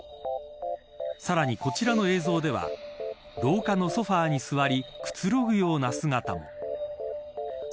さらに、こちらの映像では廊下のソファに座りくつろぐような姿も。